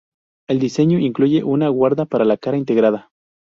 El diseño incluye una guarda para la cara integrada.